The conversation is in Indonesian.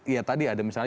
ya tadi ada misalnya